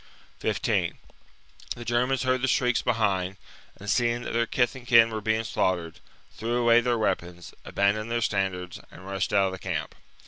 15. The Germans heard the shrieks behind, andannihi and, seeing that their kith and kin were being slaughtered, threw away their weapons, aban doned their standards, and rushed out of the camp.